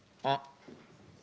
あっ。